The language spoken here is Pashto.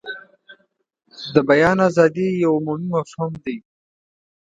د بیان ازادي یو عمومي مفهوم دی.